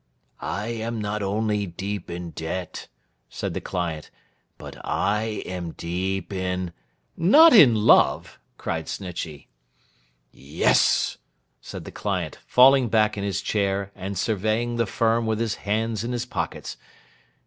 'I am not only deep in debt,' said the client, 'but I am deep in—' 'Not in love!' cried Snitchey. 'Yes!' said the client, falling back in his chair, and surveying the Firm with his hands in his pockets.